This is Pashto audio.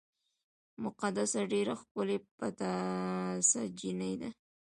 مقدسه ډېره ښکلې پټاسه جینۍ ده